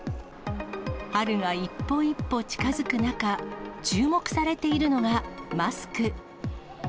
春が一歩一歩近づく中、注目されているのがマスク。